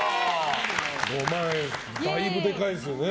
だいぶでかいですよね。